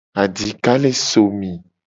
Adika le somi.